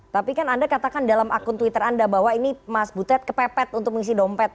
tapi kan anda katakan dalam akun twitter anda bahwa ini mas butet kepepet untuk mengisi dompet